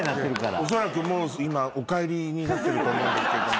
おそらくもう今お帰りになってると思うんですけども。